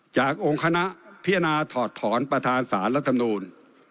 จากองค์คณะพิจารณาถอดถอนประธานศาสตร์รัฐมนุษย์